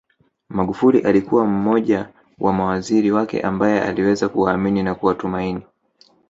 Magufuli alikuwa mmoja wa mawaziri wake ambao aliweza kuwaamini na kuwatumaini